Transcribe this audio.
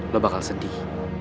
lo bakal sedih